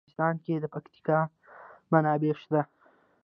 په افغانستان کې د پکتیکا منابع شته.